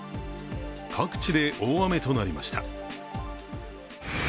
各地で大雨となりました。